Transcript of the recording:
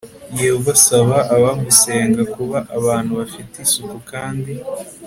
yehova asaba abamusenga kuba abantu bafite isuku kandi